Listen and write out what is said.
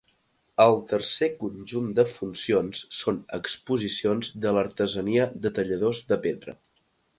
El tercer conjunt de funcions són exposicions de l'artesania de talladors de pedra.